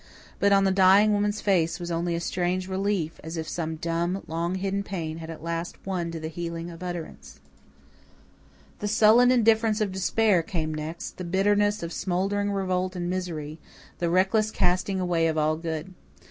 But on the dying woman's face was only a strange relief, as if some dumb, long hidden pain had at last won to the healing of utterance. The sullen indifference of despair came next, the bitterness of smouldering revolt and misery, the reckless casting away of all good.